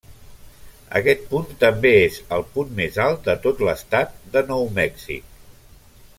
Aquest punt també és el punt més alt de tot l'estat de Nou Mèxic.